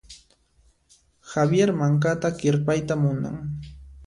Javier mankata kirpayta munan.